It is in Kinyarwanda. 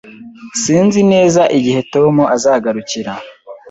Sinzi neza igihe Tom azagarukira.